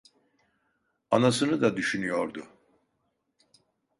Anasını da düşünüyordu.